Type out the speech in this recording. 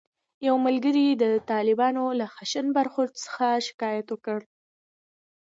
یو ملګري د طالبانو له خشن برخورد څخه شکایت وکړ.